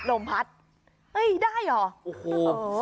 ลมพัดเอ้ยได้หรอ